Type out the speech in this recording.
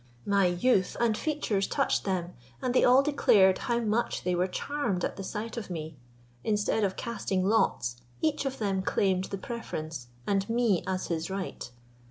My youth and features touched them, and they all declared how much they were charmed at the sight of me. Instead of casting lots, each of them claimed the preference, and me as his right.